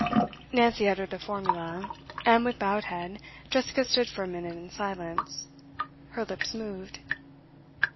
Nancy uttered the formula, and with bowed head Jessica stood for a minute in silence; her lips moved.